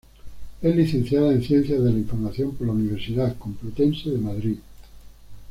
Es licenciada en Ciencias de la Información por la Universidad Complutense de Madrid.